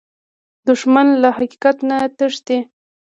دښمن له حقیقت نه تښتي